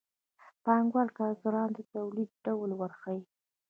پانګوال کارګرانو ته د تولید ډول ورښيي